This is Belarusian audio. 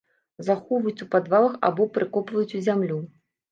Захоўваюць у падвалах або прыкопваюць у зямлю.